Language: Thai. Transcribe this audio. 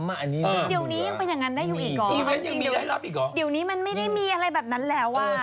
อันนี้ยังมีหรอดี๋วนี้มันไม่ได้มีอะไรแบบนั้นแล้วอ่ะ